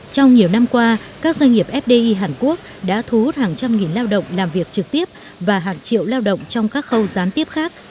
trong nhiều năm qua các doanh nghiệp fdi hàn quốc đã thu hút hàng trăm nghìn lao động làm việc trực tiếp và hàng triệu lao động trong các khâu gián tiếp khác